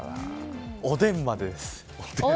おでんまでです。